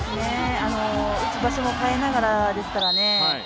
打つ場所も変えながらですからね。